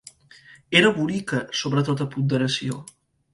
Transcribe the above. Era bonica sobre tota ponderació.